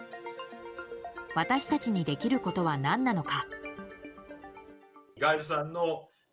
私たちにできることは何なのか。